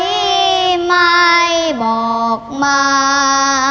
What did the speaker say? ไม่ไม่บอกมา